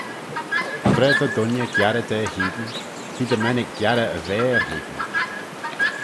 Tra ta dooinney giarrey da hene t'eh dy mennick giarrey y vair hene.